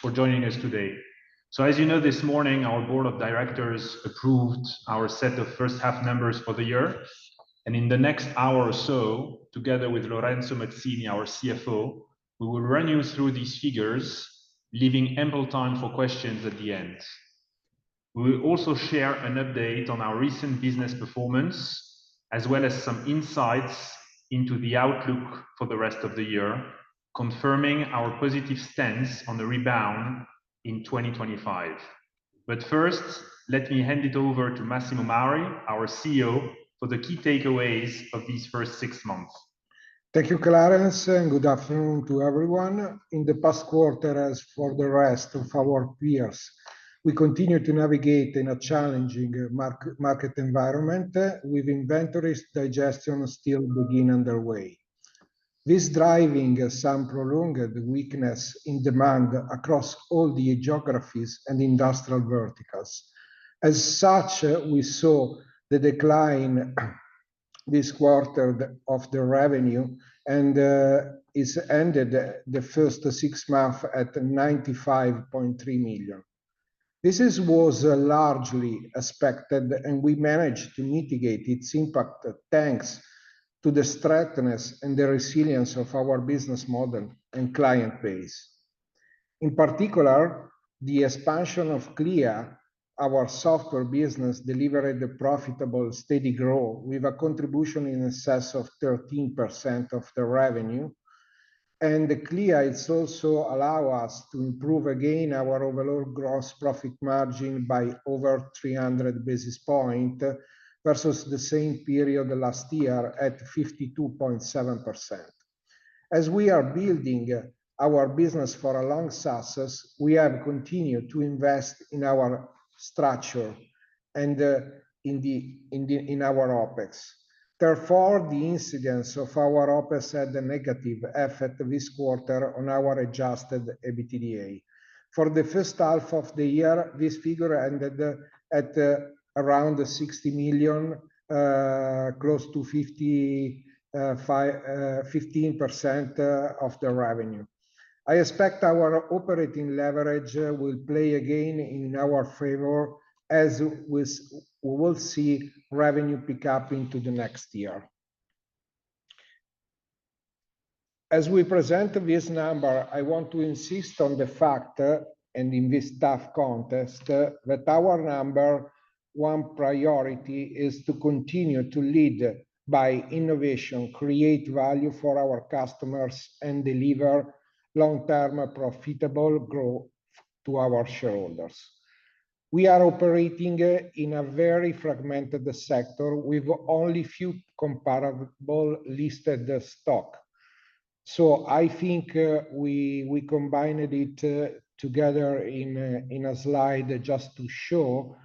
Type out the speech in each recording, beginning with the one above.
for joining us today. So as you know, this morning, our board of directors approved our set of first half numbers for the year, and in the next hour or so, together with Lorenzo Mazzini, our CFO, we will run you through these figures, leaving ample time for questions at the end. We will also share an update on our recent business performance, as well as some insights into the outlook for the rest of the year, confirming our positive stance on the rebound in 2025. But first, let me hand it over to Massimo Mauri, our CEO, for the key takeaways of these first six months. Thank you, Clarence, and good afternoon to everyone. In the past quarter, as for the rest of our peers, we continue to navigate in a challenging market environment, with inventories digestion still being underway. This driving some prolonged weakness in demand across all the geographies and industrial verticals. As such, we saw the decline this quarter of the revenue, and it's ended the first six months at 95.3 million. This was largely expected, and we managed to mitigate its impact, thanks to the strength and the resilience of our business model and client base. In particular, the expansion of Clea, our software business, delivered a profitable, steady growth with a contribution in excess of 13% of the revenue. And the Clea, it's also allow us to improve, again, our overall gross profit margin by over 300 bps, versus the same period last year at 52.7%. As we are building our business for a long success, we have continued to invest in our structure and in our OpEx. Therefore, the incidence of our OpEx had a negative effect this quarter on our adjusted EBITDA. For the first half of the year, this figure ended at around 60 million, close to 55.15% of the revenue. I expect our operating leverage will play again in our favor, as we will see revenue pick up into the next year. As we present this number, I want to insist on the fact, and in this tough context, that our number one priority is to continue to lead by innovation, create value for our customers, and deliver long-term profitable growth to our shareholders. We are operating in a very fragmented sector, with only few comparable listed stocks. So I think we combined it together in a slide just to show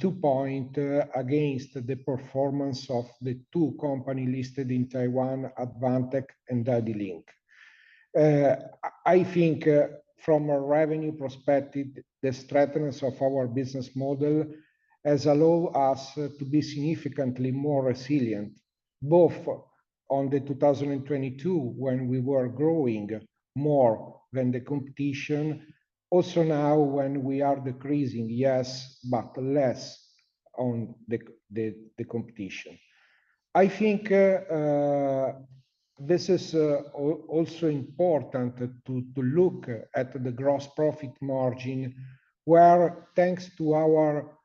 two points against the performance of the two companies listed in Taiwan, Advantech and ADLINK. I think from a revenue perspective, the strength of our business model has allow us to be significantly more resilient, both on the 2022, when we were growing more than the competition. Also, now, when we are decreasing, yes, but less than the competition. I think this is also important to look at the gross profit margin, where, thanks to our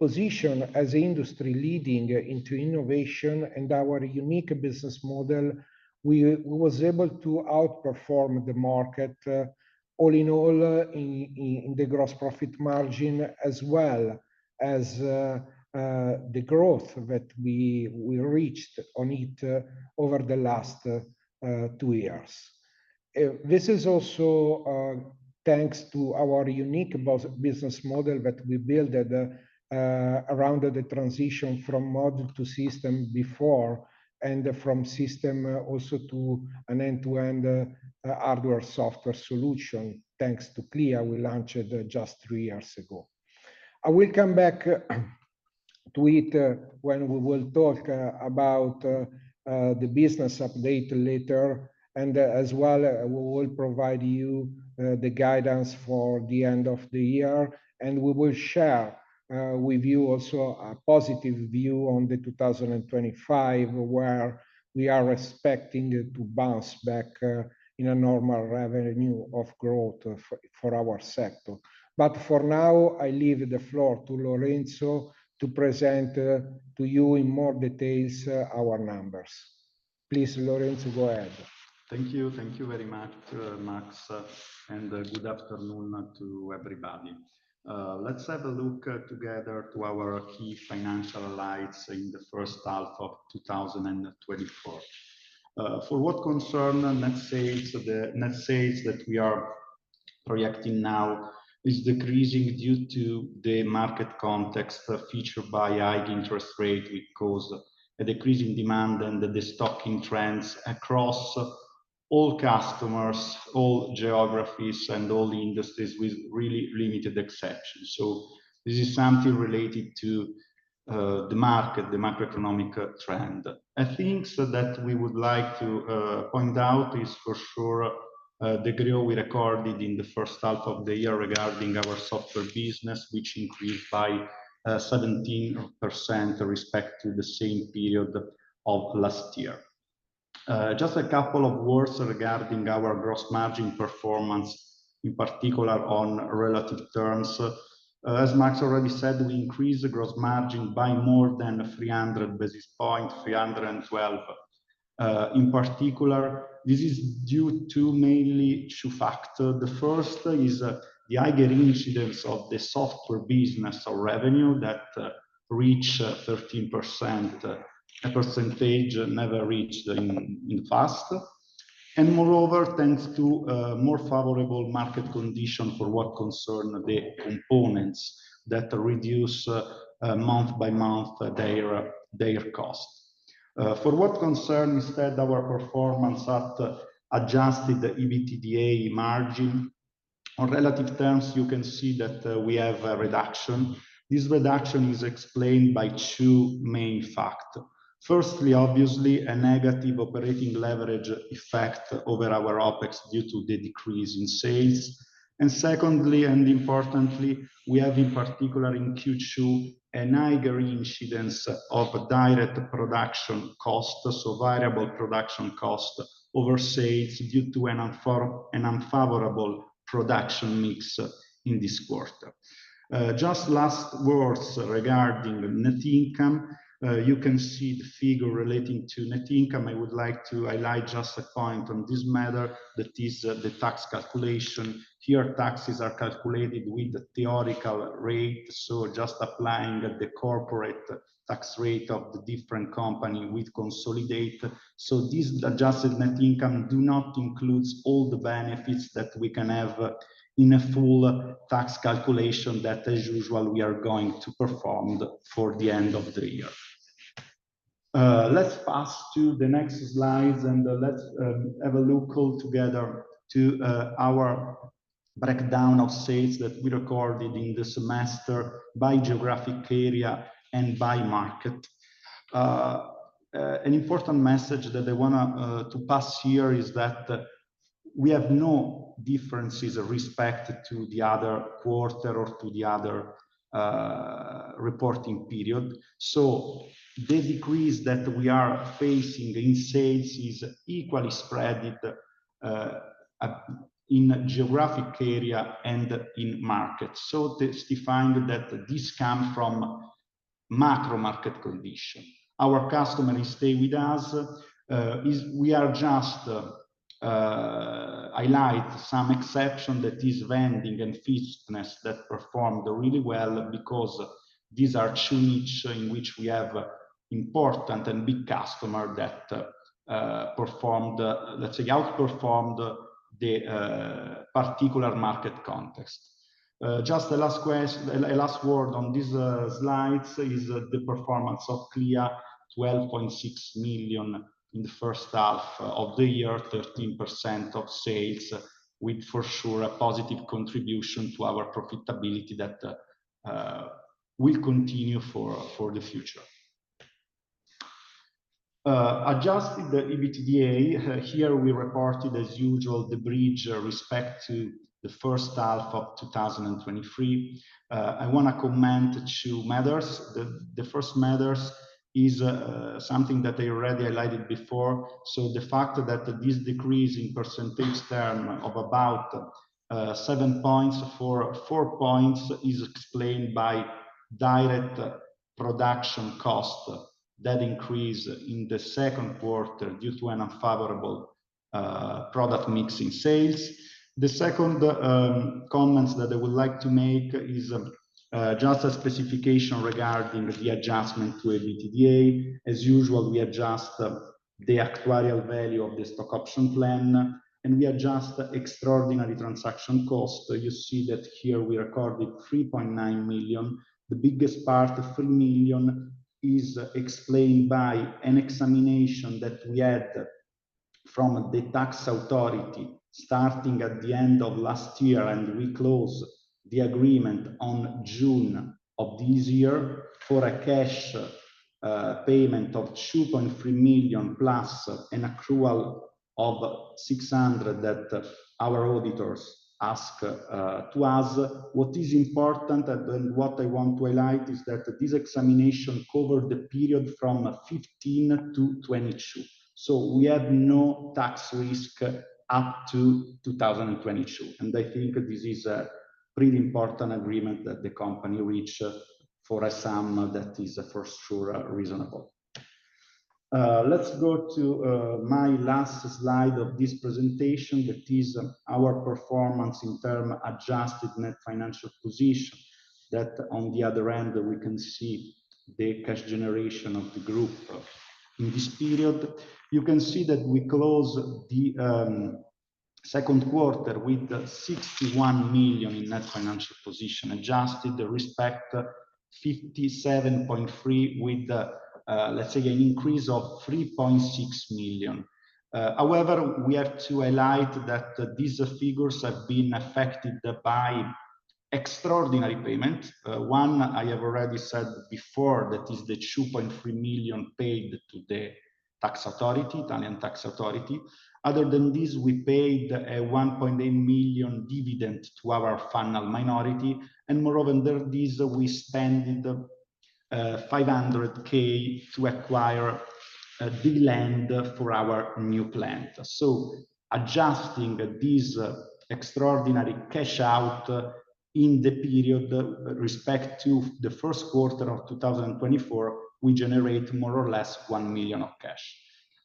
position as industry-leading in innovation and our unique business model, we was able to outperform the market all in all in the gross profit margin, as well as the growth that we reached on it over the last two years. This is also thanks to our unique business model that we built around the transition from module to system before, and from system also to an end-to-end hardware, software solution, thanks to Clea, we launched just three years ago. I will come back to it when we will talk about the business update later. And, as well, we will provide you the guidance for the end of the year, and we will share with you also a positive view on 2025, where we are expecting to bounce back in a normal revenue of growth for our sector. But for now, I leave the floor to Lorenzo to present to you in more details our numbers. Please, Lorenzo, go ahead. Thank you. Thank you very much, Max, and good afternoon to everybody. Let's have a look together to our key financial highlights in the first half of two thousand and twenty-four. For what concern net sales, the net sales that we are projecting now is decreasing due to the market context featured by high interest rate, which cause a decrease in demand and the destocking trends across all customers, all geographies, and all the industries, with really limited exceptions. So this is something related to the market, the macroeconomic trend. I think that we would like to point out is for sure the growth we recorded in the first half of the year regarding our software business, which increased by 17% respect to the same period of last year. Just a couple of words regarding our gross margin performance, in particular, on relative terms. As Max already said, we increased the gross margin by more than 300 bps, 312 bps. In particular, this is due to mainly two factors. The first is, the higher incidence of the software business or revenue that reaches 13%, a percentage never reached in the past. And moreover, thanks to more favorable market conditions for what concerns the components that reduce, month by month, their cost. For what concerns instead, our performance at adjusted EBITDA margin, on relative terms, you can see that we have a reduction. This reduction is explained by two main factors. Firstly, obviously, a negative operating leverage effect over our OpEx due to the decrease in sales. Secondly, and importantly, we have, in particular, in Q2, a higher incidence of direct production costs, so variable production costs over sales due to an unfavorable production mix in this quarter. Just last words regarding net income. You can see the figure relating to net income. I would like to highlight just a point on this matter, that is, the tax calculation. Here, taxes are calculated with the theoretical rate, so just applying the corporate tax rate of the different company with consolidate. So this adjusted net income do not includes all the benefits that we can have in a full tax calculation that, as usual, we are going to perform for the end of the year. Let's pass to the next slide, and let's have a look all together to our breakdown of sales that we recorded in the semester by geographic area and by market. An important message that I want to pass here is that we have no differences with respect to the other quarter or to the other reporting period. So the decrease that we are facing in sales is equally spread in geographic area and in market. So that's defined that this come from macro market condition. Our customers stay with us is we are just highlight some exception that is vending and fitness that performed really well because these are two niche in which we have important and big customer that performed, let's say, outperformed the particular market context. Just a last word on this slide is the performance of Clea, 12.6 million in the first half of the year, 13% of sales, with for sure a positive contribution to our profitability that will continue for the future. Adjusting the EBITDA, here we reported, as usual, the bridge respect to the first half of 2023. I want to comment two matters. The first matters is something that I already highlighted before, so the fact that this decrease in percentage term of about 7.4 points is explained by direct production costs that increase in the second quarter due to an unfavorable product mix in sales. The second comments that I would like to make is just a specification regarding the adjustment to EBITDA. As usual, we adjust the actuarial value of the stock option plan, and we adjust the extraordinary transaction cost. So you see that here we recorded 3.9 million. The biggest part, 3 million, is explained by an examination that we had from the tax authority, starting at the end of last year, and we close the agreement on June of this year for a cash payment of 2.3 million, plus an accrual of 600, that our auditors ask to us. What is important, and what I want to highlight, is that this examination covered the period from 2015 to 2022, so we have no tax risk up to 2022. I think this is a pretty important agreement that the company reached for a sum that is for sure reasonable. Let's go to my last slide of this presentation, that is our performance in terms adjusted net financial position, that on the other hand, we can see the cash generation of the group. In this period, you can see that we close the second quarter with 61 million in net financial position, adjusted with respect 57.3, with let's say an increase of 3.6 million. However, we have to highlight that these figures have been affected by an extraordinary payment, one I have already said before, that is the 2.3 million paid to the tax authority, Italian tax authority. Other than this, we paid 1.8 million dividend to our final minority, and moreover than this, we spent 500,000 to acquire the land for our new plant. So adjusting these extraordinary cash out in the period with respect to the first quarter of two thousand and twenty-four, we generate more or less 1 million of cash.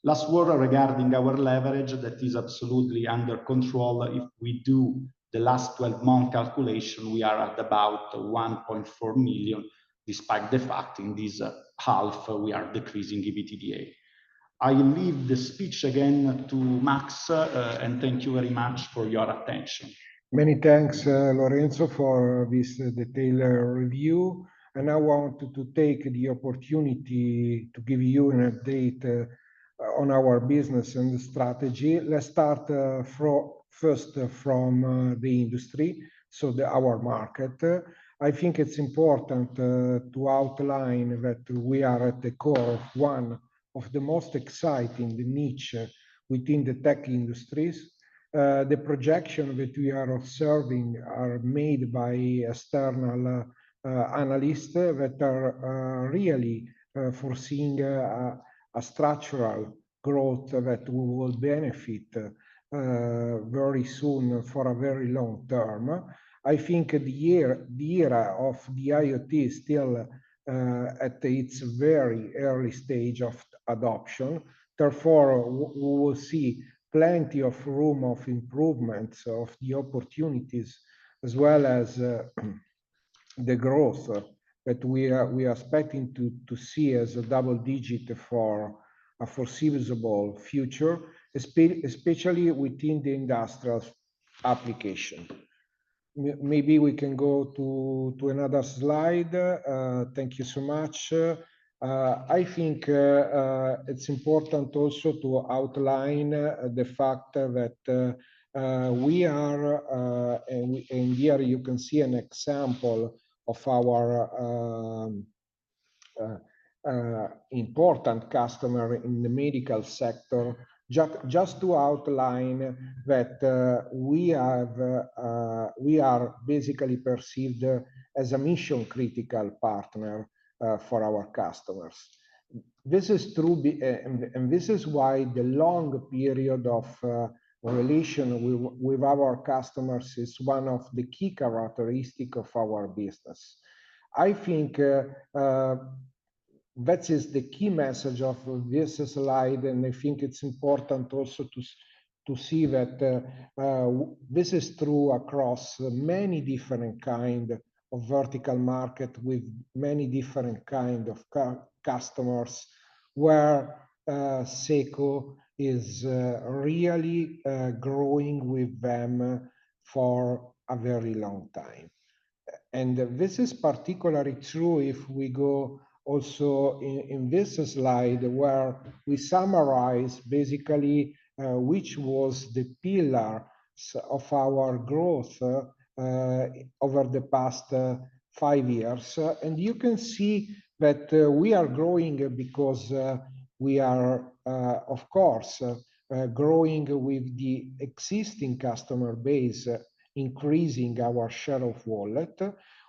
Last word regarding our leverage, that is absolutely under control. If we do the last twelve-month calculation, we are at about 1.4 million, despite the fact in this half we are decreasing EBITDA. I leave the speech again to Max, and thank you very much for your attention. Many thanks, Lorenzo, for this detailed review, and I want to take the opportunity to give you an update on our business and strategy. Let's start first from the industry, so our market. I think it's important to outline that we are at the core of one of the most exciting niche within the tech industries. The projection that we are observing are made by external analysts, that are really foreseeing a structural growth that we will benefit very soon for a very long term. I think the year, the era of the IoT is still at its very early stage of adoption. Therefore, we will see plenty of room of improvements, of the opportunities, as well as, the growth that we are expecting to see as a double digit for a foreseeable future, especially within the industrial application. Maybe we can go to another slide. Thank you so much. I think it's important also to outline the fact that we are and here you can see an example of our important customer in the medical sector. Just to outline that, we have we are basically perceived as a mission-critical partner for our customers. This is true and this is why the long period of relation with our customers is one of the key characteristic of our business. I think that is the key message of this slide, and I think it's important also to see that this is true across many different kind of vertical market with many different kind of customers, where SECO is really growing with them for a very long time, and this is particularly true if we go also in this slide, where we summarize, basically, which was the pillars of our growth over the past five years, and you can see that we are growing because we are, of course, growing with the existing customer base, increasing our share of wallet.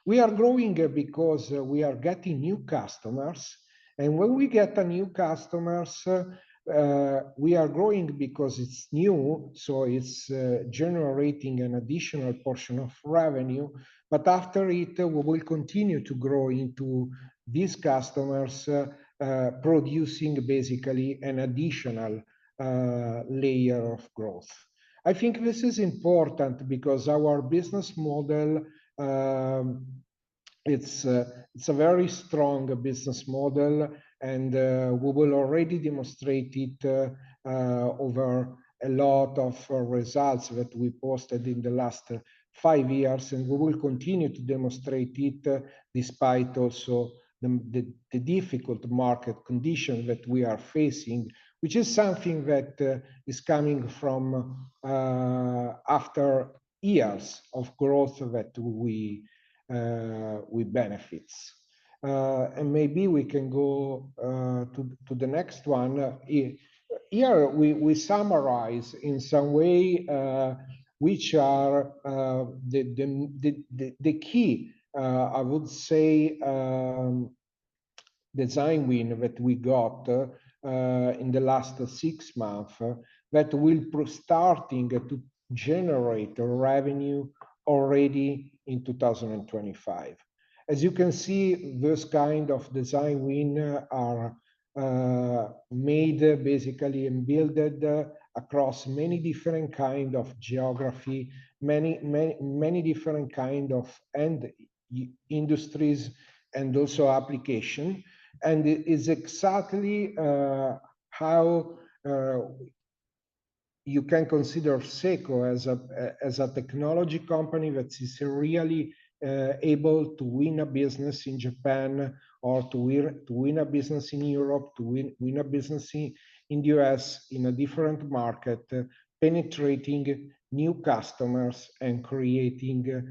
We are growing because we are getting new customers, and when we get a new customers, we are growing because it's new, so it's generating an additional portion of revenue. But after it, we will continue to grow into these customers, producing basically an additional layer of growth. I think this is important because our business model, it's a very strong business model, and we will already demonstrate it over a lot of results that we posted in the last five years, and we will continue to demonstrate it, despite also the difficult market conditions that we are facing, which is something that is coming from after years of growth that we benefits. And maybe we can go to the next one. Here we summarize in some way which are the key, I would say, design win that we got in the last six months, that will be starting to generate revenue already in 2025. As you can see, this kind of design win are made, basically, and built across many different kind of geography, many different kind of end industries and also application. And it is exactly how you can consider SECO as a technology company that is really able to win a business in Japan or to win a business in Europe, to win a business in the U.S., in a different market, penetrating new customers and creating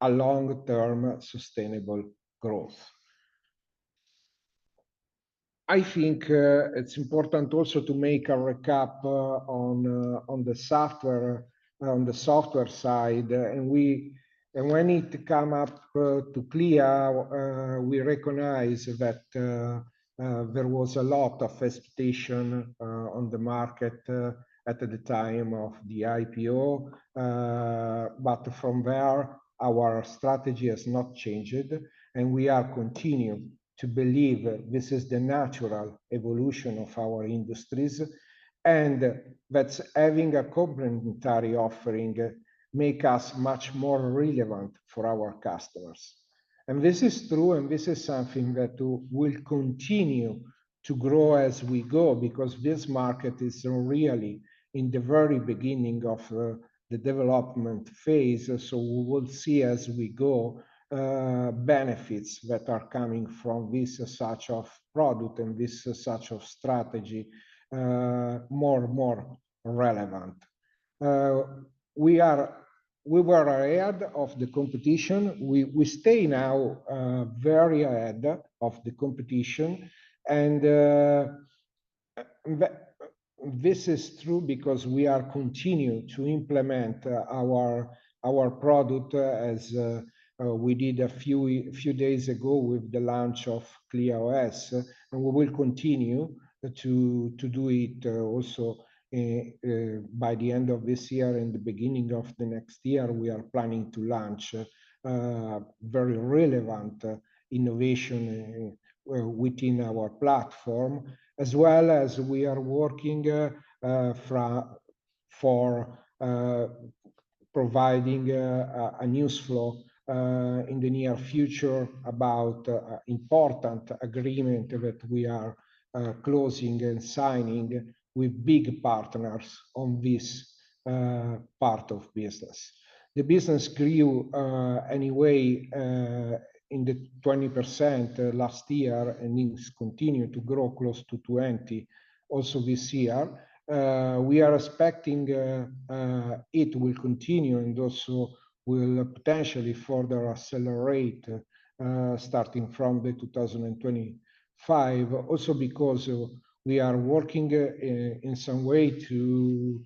a long-term sustainable growth. I think it's important also to make a recap on the software side, and when it come up to Clea, we recognize that there was a lot of expectation on the market at the time of the IPO, but from there, our strategy has not changed, and we are continuing to believe that this is the natural evolution of our industries, and that's having a complementary offering make us much more relevant for our customers. This is true, and this is something that will continue to grow as we go, because this market is really in the very beginning of the development phase. So we will see as we go, benefits that are coming from this sort of product and this sort of strategy, more and more relevant. We were ahead of the competition. We stay now very ahead of the competition, and this is true because we are continuing to implement our product, as we did a few days ago with the launch of Clea OS. And we will continue to do it also by the end of this year and the beginning of the next year. We are planning to launch very relevant innovation within our platform, as well as we are working for providing a news flow in the near future about important agreement that we are closing and signing with big partners on this part of business. The business grew anyway in the 20% last year, and it's continued to grow close to 20% also this year. We are expecting it will continue and also will potentially further accelerate starting from 2025. Also, because we are working in some way to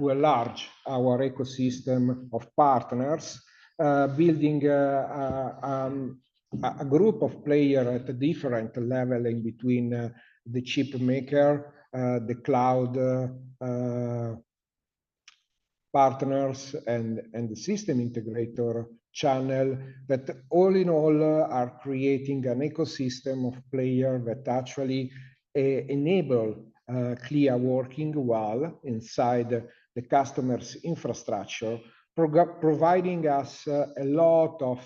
enlarge our ecosystem of partners, building a group of player at a different level in between the chip maker, the cloud partners, and the system integrator channel. That all in all are creating an ecosystem of player that actually enable Clea working well inside the customer's infrastructure, providing us a lot of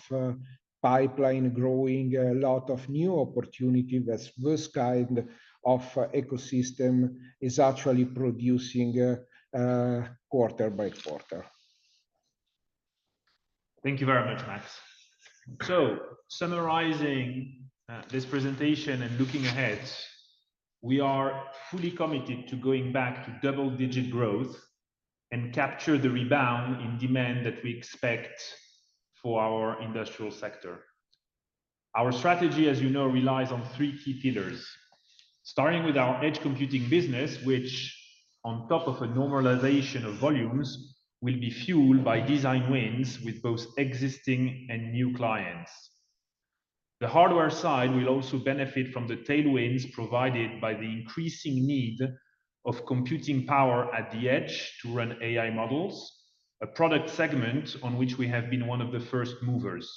pipeline growing, a lot of new opportunity that this kind of ecosystem is actually producing quarter by quarter. Thank you very much, Max. So summarizing, this presentation and looking ahead, we are fully committed to going back to double-digit growth and capture the rebound in demand that we expect for our industrial sector. Our strategy, as you know, relies on three key pillars. Starting with our edge computing business, which on top of a normalization of volumes, will be fueled by design wins with both existing and new clients. The hardware side will also benefit from the tailwinds provided by the increasing need of computing power at the edge to run AI models, a product segment on which we have been one of the first movers.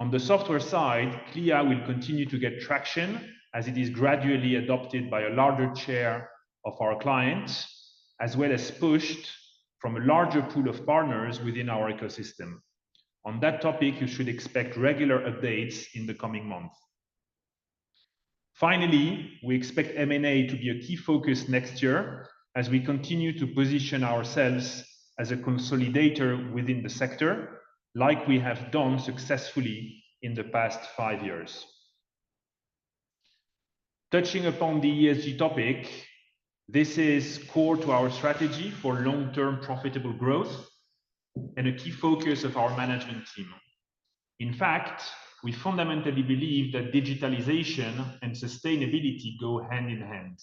On the software side, Clea will continue to get traction as it is gradually adopted by a larger share of our clients, as well as pushed from a larger pool of partners within our ecosystem. On that topic, you should expect regular updates in the coming months. Finally, we expect M&A to be a key focus next year as we continue to position ourselves as a consolidator within the sector, like we have done successfully in the past five years. Touching upon the ESG topic, this is core to our strategy for long-term profitable growth and a key focus of our management team. In fact, we fundamentally believe that digitalization and sustainability go hand in hand.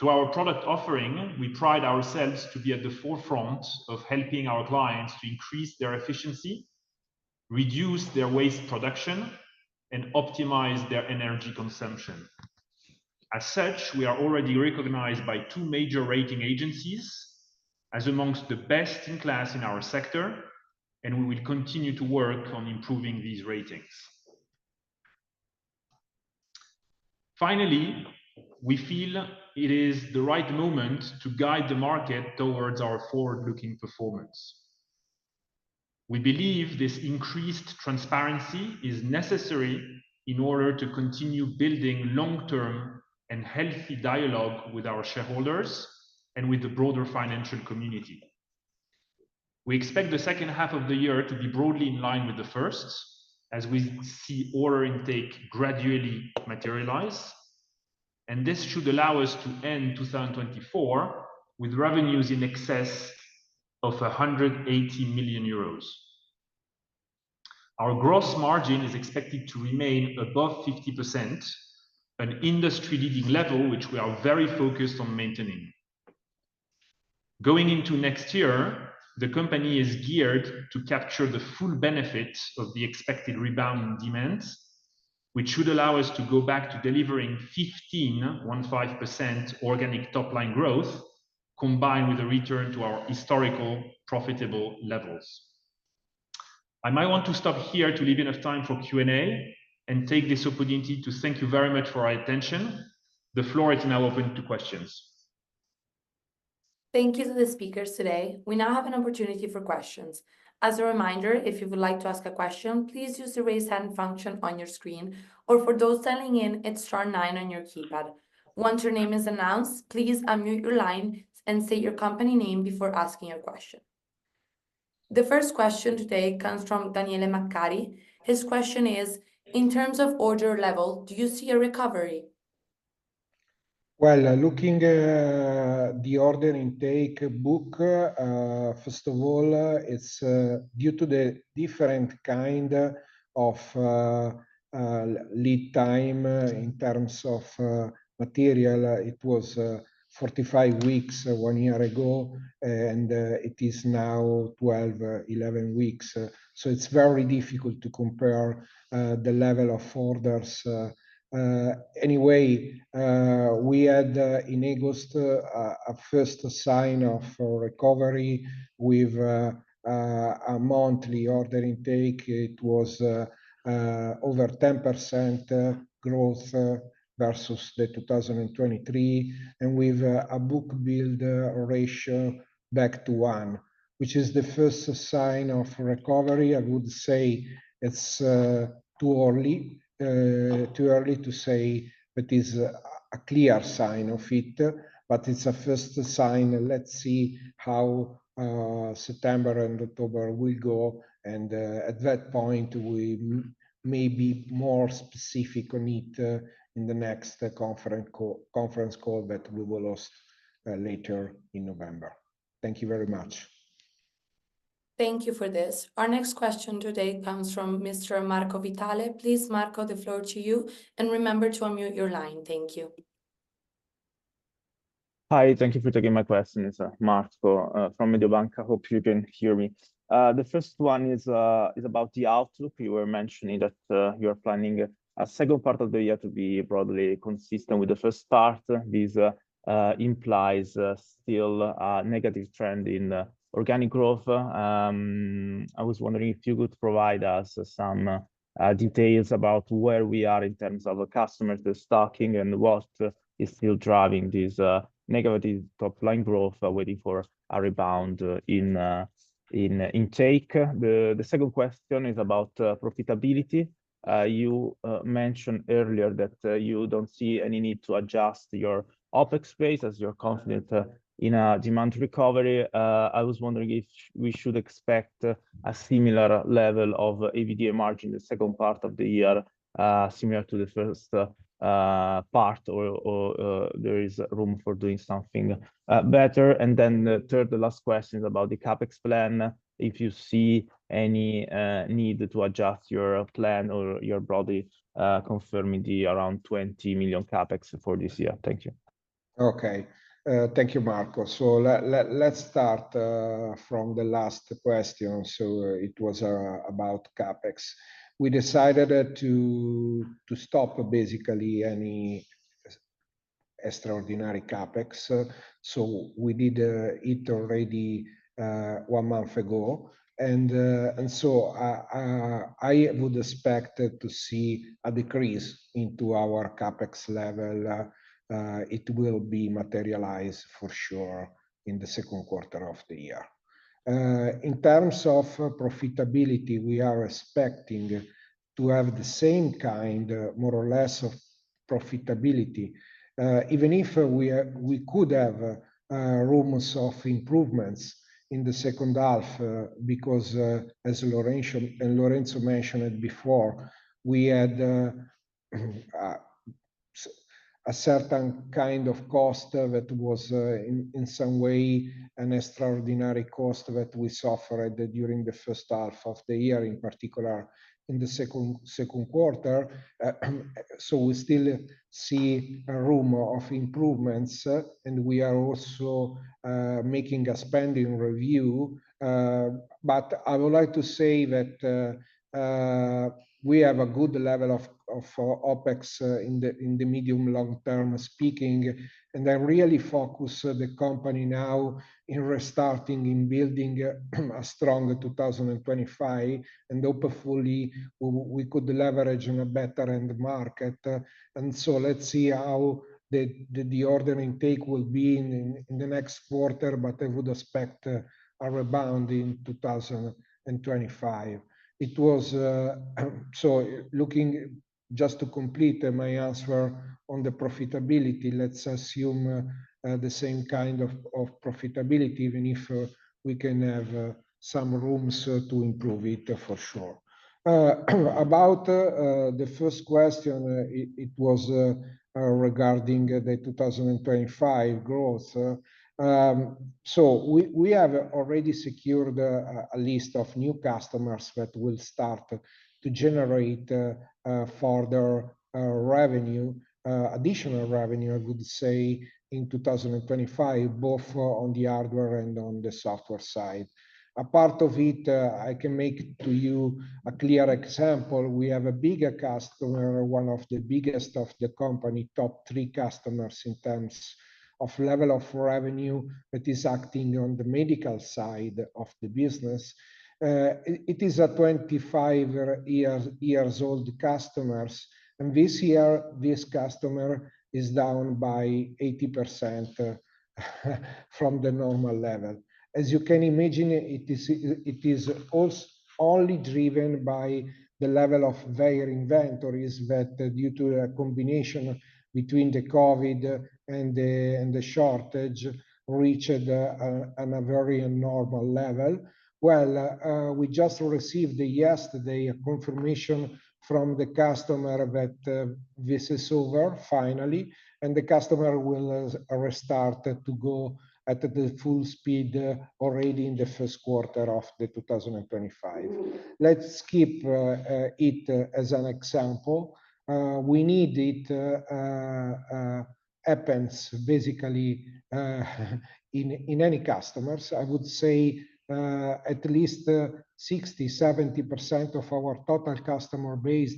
To our product offering, we pride ourselves to be at the forefront of helping our clients to increase their efficiency, reduce their waste production, and optimize their energy consumption. As such, we are already recognized by two major rating agencies as among the best in class in our sector, and we will continue to work on improving these ratings. Finally, we feel it is the right moment to guide the market towards our forward-looking performance. We believe this increased transparency is necessary in order to continue building long-term and healthy dialogue with our shareholders and with the broader financial community. We expect the second half of the year to be broadly in line with the first, as we see order intake gradually materialize, and this should allow us to end two thousand and twenty-four with revenues in excess of 100 million euros. Our gross margin is expected to remain above 50%, an industry-leading level, which we are very focused on maintaining. Going into next year, the company is geared to capture the full benefit of the expected rebound in demand, which should allow us to go back to delivering 15% organic top-line growth, combined with a return to our historical profitable levels. I might want to stop here to leave enough time for Q&A and take this opportunity to thank you very much for your attention. The floor is now open to questions. Thank you to the speakers today. We now have an opportunity for questions. As a reminder, if you would like to ask a question, please use the Raise Hand function on your screen, or for those dialing in, it's star nine on your keypad. Once your name is announced, please unmute your line and state your company name before asking your question. The first question today comes from Daniele Maccari. His question is: In terms of order level, do you see a recovery? Looking at the order intake book, first of all, it's due to the different kind of lead time in terms of material. It was 45 weeks one year ago, and it is now 11 weeks. So it's very difficult to compare the level of orders. Anyway, we had in August a first sign of a recovery with a monthly order intake. It was over 10% growth versus 2023, and with a book-to-bill ratio back to one, which is the first sign of recovery. I would say it's too early to say it is a clear sign of it, but it's a first sign. Let's see how September and October will go, and at that point, we may be more specific on it in the next conference call that we will host later in November. Thank you very much. Thank you for this. Our next question today comes from Mr. Marco Vitale. Please, Marco, the floor to you, and remember to unmute your line. Thank you. Hi, thank you for taking my questions. Marco, from Mediobanca. Hope you can hear me. The first one is about the outlook. You were mentioning that you are planning a second part of the year to be broadly consistent with the first part. This implies still a negative trend in organic growth. I was wondering if you could provide us some details about where we are in terms of the customers, the stocking, and what is still driving this negative top-line growth, waiting for a rebound in intake? The second question is about profitability. You mentioned earlier that you don't see any need to adjust your OpEx base as you're confident in a demand recovery. I was wondering if we should expect a similar level of EBITDA margin in the second part of the year, similar to the first part, or there is room for doing something better? And then the third and last question is about the CapEx plan. If you see any need to adjust your plan or you're broadly confirming around 20 million CapEx for this year. Thank you. Okay. Thank you, Marco. So let's start from the last question. So it was about CapEx. We decided to stop basically any extraordinary CapEx, so we did it already one month ago. And so I would expect to see a decrease into our CapEx level. It will be materialized for sure in the second quarter of the year. In terms of profitability, we are expecting to have the same kind, more or less, of profitability, even if we could have rooms of improvements in the second half, because as Lorenzo mentioned it before, we had a certain kind of cost that was, in some way, an extraordinary cost that we suffered during the first half of the year, in particular in the second quarter, so we still see a room of improvements, and we are also making a spending review, but I would like to say that we have a good level of OpEx in the medium, long term speaking. I really focus the company now in restarting, in building a strong 2025, and hopefully we could leverage in a better end market. And so let's see how the order intake will be in the next quarter, but I would expect a rebound in 2025. It was so looking, just to complete my answer on the profitability, let's assume the same kind of profitability, even if we can have some room to improve it, for sure. About the first question, it was regarding the 2025 growth. So we have already secured a list of new customers that will start to generate further revenue, additional revenue, I would say, in 2025, both on the hardware and on the software side. A part of it, I can make to you a clear example. We have a bigger customer, one of the biggest of the company, top three customers in terms of level of revenue, that is acting on the medical side of the business. It is a 25-year-old customer, and this year, this customer is down by 80%, from the normal level. As you can imagine, it is only driven by the level of their inventories that due to a combination between the COVID and the shortage reached a very abnormal level. We just received yesterday a confirmation from the customer that this is over finally, and the customer will restart to go at the full speed already in the first quarter of the 2025. Let's keep it as an example. We need it happens basically in any customers. I would say at least 60%, 70% of our total customer base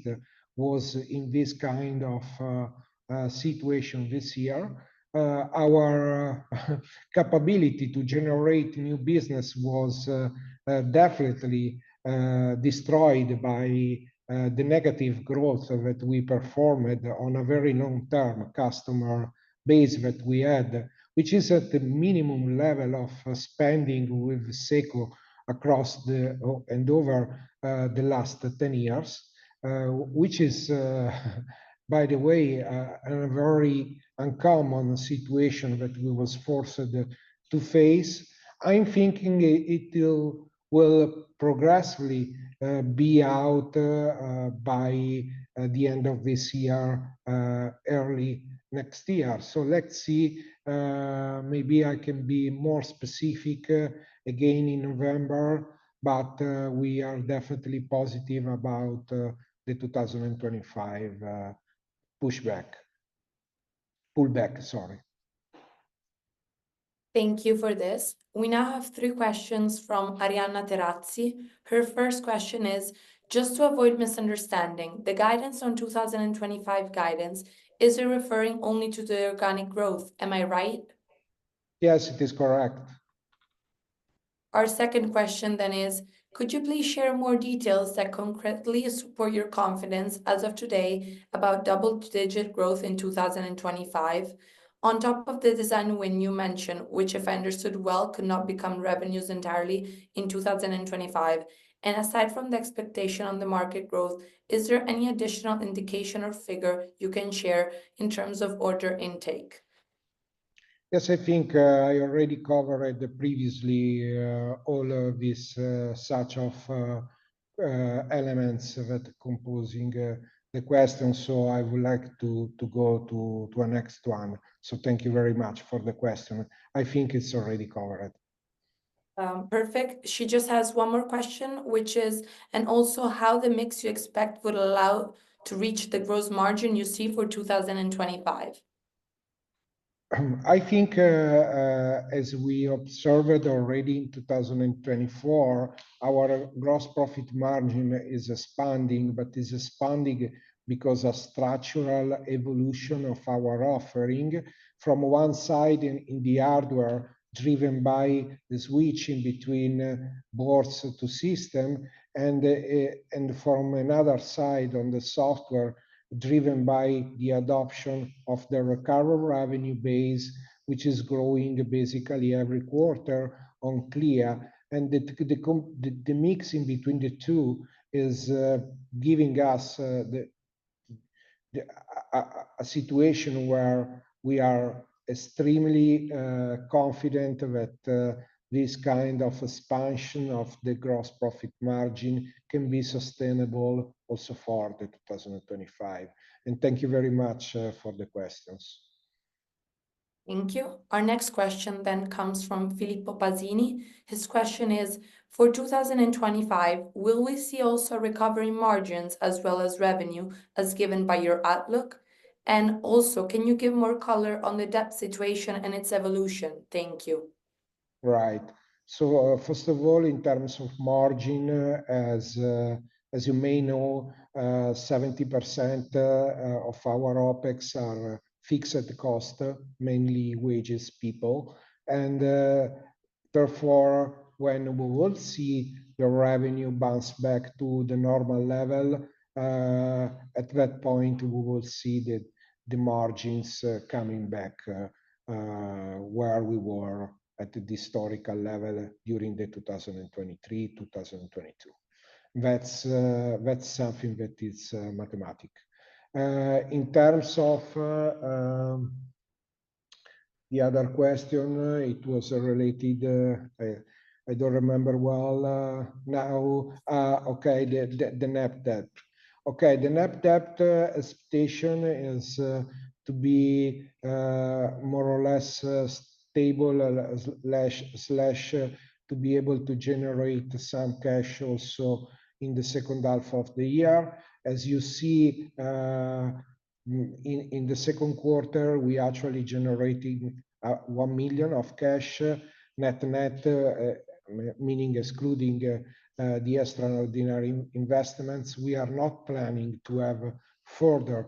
was in this kind of situation this year. Our capability to generate new business was definitely destroyed by the negative growth that we performed on a very long-term customer base that we had, which is at the minimum level of spending with SECO across the on- and over the last 10 years. Which is, by the way, a very uncommon situation that we was forced to face. I'm thinking it will progressively be out by the end of this year, early next year. So let's see. Maybe I can be more specific again in November, but we are definitely positive about the 2025 pushback. Pullback, sorry. Thank you for this. We now have three questions from Arianna Terazzi. Her first question is: "Just to avoid misunderstanding, the guidance on 2025 guidance, is it referring only to the organic growth? Am I right? Yes, it is correct. Our second question then is: "Could you please share more details that concretely support your confidence as of today about double-digit growth in 2025? On top of the design win you mentioned, which, if I understood well, could not become revenues entirely in 2025. And aside from the expectation on the market growth, is there any additional indication or figure you can share in terms of order intake? Yes, I think I already covered previously all of these such of elements that composing the question, so I would like to go to a next one. So thank you very much for the question. I think it's already covered. Perfect. She just has one more question, which is: "And also, how the mix you expect will allow to reach the gross margin you see for 2025? I think, as we observed already in two thousand and twenty-four, our gross profit margin is expanding, but is expanding because of structural evolution of our offering. From one side, in the hardware, driven by the switch in between boards to system, and from another side, on the software, driven by the adoption of the recurring revenue base, which is growing basically every quarter on Clea. And the mix in between the two is giving us a situation where we are extremely confident that this kind of expansion of the gross profit margin can be sustainable also for the 2025. And thank you very much for the questions. Thank you. Our next question then comes from Filippo Basini. His question is: "For 2025, will we see also recovery margins as well as revenue, as given by your outlook? And also, can you give more color on the debt situation and its evolution? Thank you. Right. So, first of all, in terms of margin, as you may know, 70% of our OpEx are fixed cost, mainly wages, people. Therefore, when we will see the revenue bounce back to the normal level, at that point, we will see the margins coming back where we were at the historical level during 2023, 2022. That's something that is mathematical. In terms of the other question, it was related. I don't remember well now. Ah, okay, the net debt. Okay, the net debt expectation is to be more or less stable slash to be able to generate some cash also in the second half of the year. As you see, in the second quarter, we actually generating 1 million of cash, net, meaning excluding the extraordinary investments. We are not planning to have further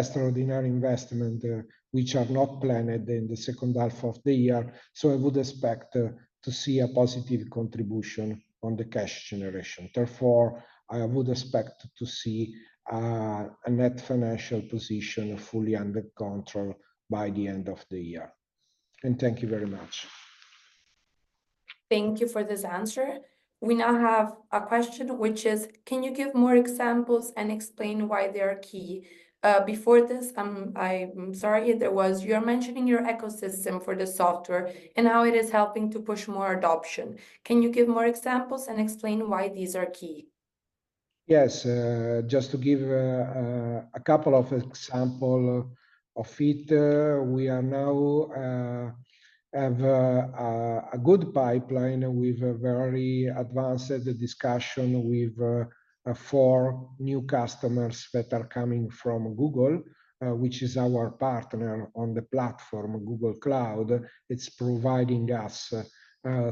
extraordinary investment, which are not planned in the second half of the year, so I would expect to see a positive contribution on the cash generation. Therefore, I would expect to see a net financial position fully under control by the end of the year, and thank you very much. Thank you for this answer. We now have a question, which is: Can you give more examples and explain why they are key? Before this, you are mentioning your ecosystem for the software and how it is helping to push more adoption. Can you give more examples and explain why these are key? Yes. Just to give a couple of example of it, we now have a good pipeline with a very advanced discussion with four new customers that are coming from Google, which is our partner on the platform, Google Cloud. It's providing us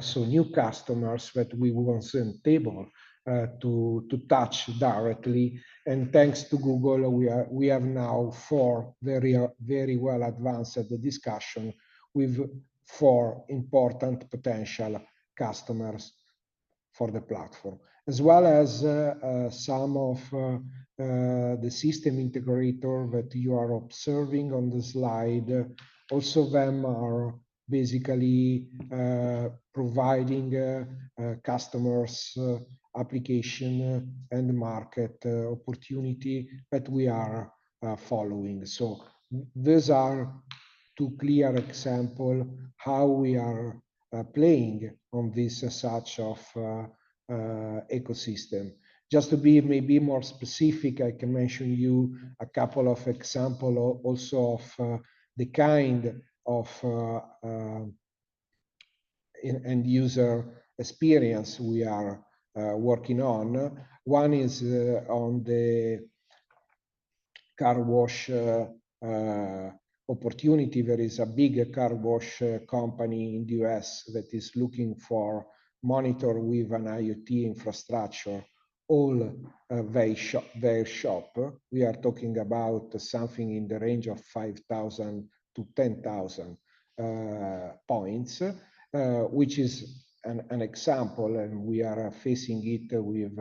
so new customers that we weren't able to touch directly, and thanks to Google, we have now four very very well advanced discussion with four important potential customers for the platform. As well as some of the system integrator that you are observing on the slide, also them are basically providing customers application and market opportunity that we are following. So these are two clear example how we are playing on this sort of ecosystem. Just to be maybe more specific, I can mention you a couple of examples also of the kind of end-user experience we are working on. One is on the car wash opportunity. There is a big car wash company in the U.S. that is looking for monitors with an IoT infrastructure, all very short. We are talking about something in the range of 5,000-10,000 points, which is an example, and we are facing it with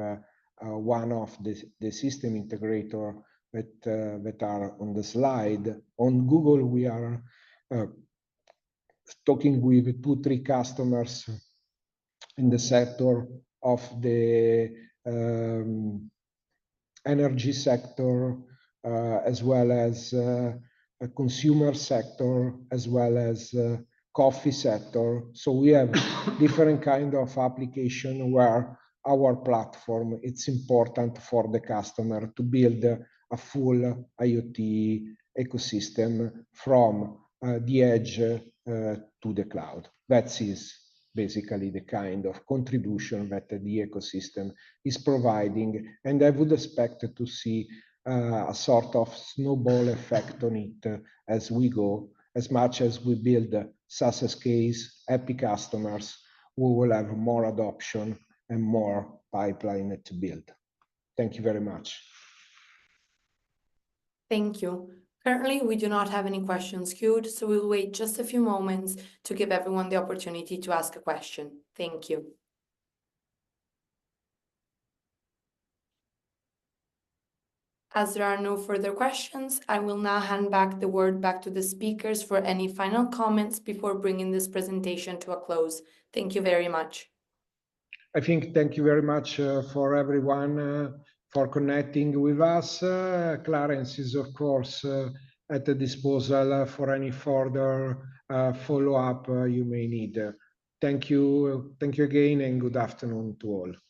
one of the system integrators that are on the slide. On Google, we are talking with two, three customers in the sector of the energy sector, as well as a consumer sector, as well as coffee sector. So we have... Different kind of application, where our platform, it's important for the customer to build a full IoT ecosystem from the edge to the cloud. That is basically the kind of contribution that the ecosystem is providing, and I would expect to see a sort of snowball effect on it as we go. As much as we build a success case, happy customers, we will have more adoption and more pipeline to build. Thank you very much. Thank you. Currently, we do not have any questions queued, so we will wait just a few moments to give everyone the opportunity to ask a question. Thank you. As there are no further questions, I will now hand the word back to the speakers for any final comments before bringing this presentation to a close. Thank you very much. I think, thank you very much for everyone for connecting with us. Clarence is, of course, at the disposal for any further follow-up you may need. Thank you. Thank you again, and good afternoon to all. Bye.